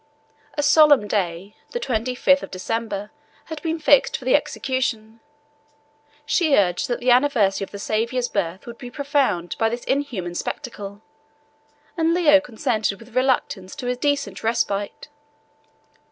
A solemn day, the twenty fifth of December, had been fixed for the execution: she urged, that the anniversary of the Savior's birth would be profaned by this inhuman spectacle, and Leo consented with reluctance to a decent respite.